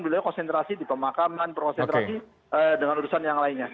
beliau konsentrasi di pemakaman konsentrasi dengan urusan yang lainnya